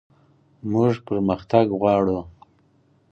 موږ پرمختګ غواړو